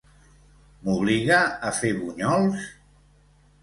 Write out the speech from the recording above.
M'obliga a fer bunyols?